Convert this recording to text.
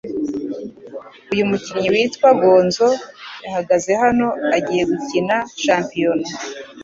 uyu mukinnyi witwa "Gonzo" yahagaze hano agiye gukina shampiona